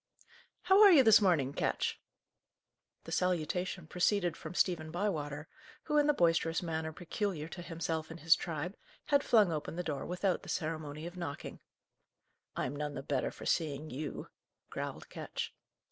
"How are you this morning, Ketch?" The salutation proceeded from Stephen Bywater, who, in the boisterous manner peculiar to himself and his tribe, had flung open the door without the ceremony of knocking. "I'm none the better for seeing you," growled Ketch.